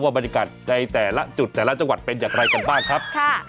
บรรยากาศในแต่ละจุดแต่ละจังหวัดเป็นอย่างไรกันบ้างครับ